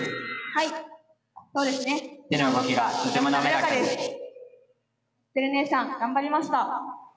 アクセル姉さん頑張りました。